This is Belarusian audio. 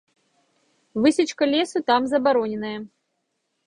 Высечка лесу там забароненая.